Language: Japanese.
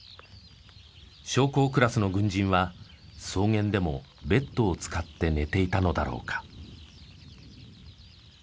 将校クラスの軍人は草原でもベッドを使って寝ていたのだろうか。